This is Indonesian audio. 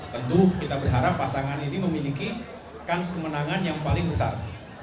tentu kita berharap pasangan ini memiliki kans kemenangan yang paling besar